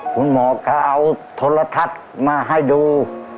คุณหมอก็เอาโทรทัศน์มาให้ดู